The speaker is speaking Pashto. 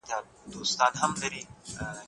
چې هغوئ پرې پوه نه سي بیا زمونږ وینا بې مانا ده،